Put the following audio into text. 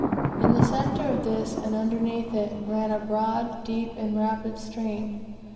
In the centre of this, and underneath it, ran a broad, deep, and rapid stream.